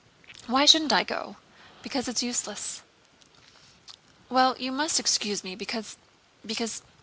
"Why shouldn't I go?" "Because it's useless." "Well, you must excuse me, because... because...